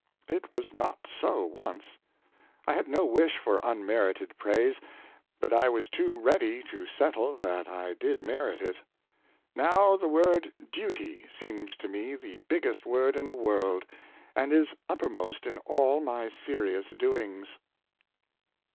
It was not so once. I had no wish for un merited praise, but I was too ready to settle that I did His Last Illness and Death, 509 merit it. Now, the word Duty seems to me the big gest word in the world, and is uppermost in all my serious doings."